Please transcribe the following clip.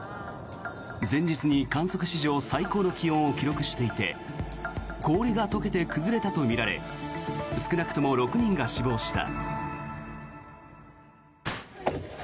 前日に観測史上最高の気温を記録していて氷が解けて崩れたとみられ少なくとも６人が死亡した。